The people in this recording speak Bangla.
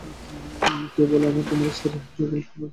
কে বলে তোমারে ছেড়ে গিয়েছে যুগল শূন্য করি তব শয্যাতল।